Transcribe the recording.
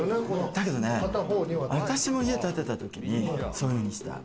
だけどね、私も家建てたときに、そういうふうにした。